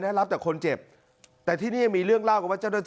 อาจจะรับแต่คนเจ็บ